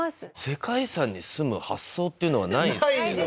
世界遺産に住む発想っていうのはないですけど。